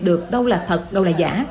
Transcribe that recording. đâu là thật đâu là giả